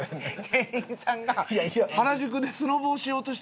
店員さんが原宿でスノボをしようとしてるやん。